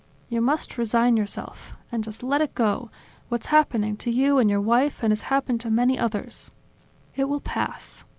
You must resign yourself. And just let it go, what's happening to you and your wife and has happened to many others. It will pass.